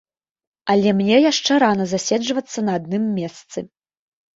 Але мне яшчэ рана заседжвацца на адным месцы.